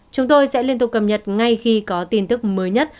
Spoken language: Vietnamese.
chúng tôi sẽ liên tục cập nhật ngay khi có tin tức mới nhất